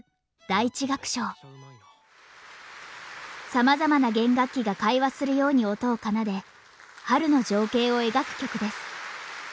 さまざまな弦楽器が会話するように音を奏で春の情景を描く曲です。